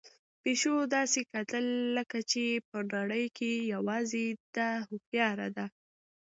پيشو داسې کتل لکه چې په نړۍ کې یوازې ده هوښیار ده.